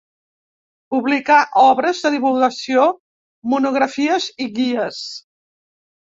Publicà obres de divulgació, monografies i guies.